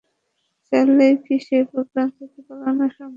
চাইলেই কি সেই প্রোগ্রাম থেকে পালানো সম্ভব?